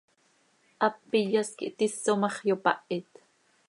Hap iyas quih tis oo ma x, yopahit.